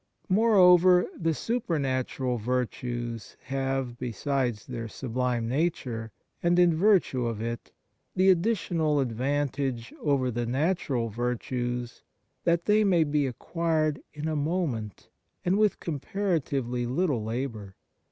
Moreover, the super natural virtues have, besides their sublime nature, and in virtue of it, the additional advantage over the natural virtues that they may be acquired in a moment and with comparatively little labour.